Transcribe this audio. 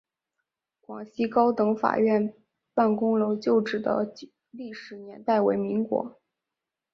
广西高等法院办公楼旧址的历史年代为民国。